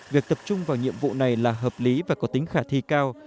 việc tập trung vào nhiệm vụ này là hợp lý và có tính khả thi cao